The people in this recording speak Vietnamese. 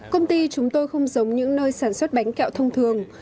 công ty chúng tôi không giống những nơi sản xuất bánh kẹo thông thường